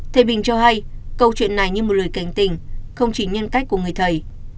thầy bình cho hay câu chuyện này như một lời cảnh tình không chỉ nhân cách của người thầy